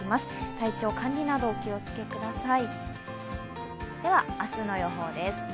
体調管理などお気をつけください。